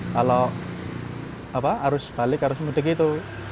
kalau arus balik harus mudik itu